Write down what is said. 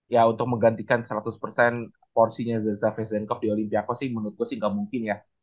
ya untuk menggantikan seratus porsinya sasha bezenkov di olympiakos sih menurut gue gak mungkin ya